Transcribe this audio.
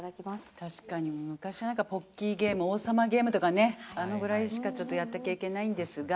確かに昔はなんかポッキーゲーム王様ゲームとかねあのぐらいしかちょっとやった経験ないんですが。